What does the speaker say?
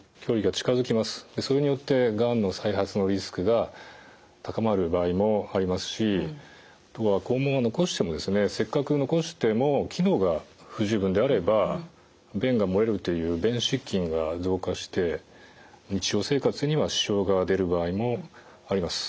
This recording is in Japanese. それによってがんの再発のリスクが高まる場合もありますしあとは肛門をせっかく残しても機能が不十分であれば便が漏れるという便失禁が増加して日常生活には支障が出る場合もあります。